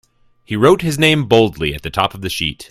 He wrote his name boldly at the top of the sheet.